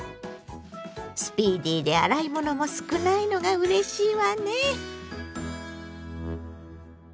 スピーディーで洗い物も少ないのがうれしいわね。